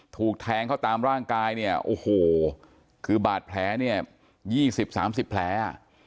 ถูกแทงเขาตามร่างกายเนี่ยโอ้โหคือบาดแผลเนี่ย๒๐๓๐แผล